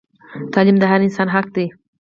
تعلیم د هر انسان حق دی